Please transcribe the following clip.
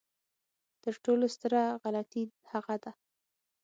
تر ټولو ستره غلطي هغه ده.